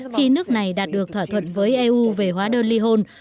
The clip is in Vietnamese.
khi nước này đạt được thỏa thuận với eu về hóa đơn ly hôn